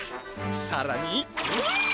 さらに。